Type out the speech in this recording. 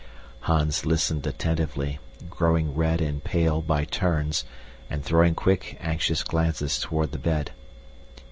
Hans listened attentively, growing red and pale by turns and throwing quick, anxious glances toward the bed.